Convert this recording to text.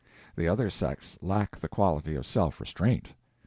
The other sects lack the quality of self restraint.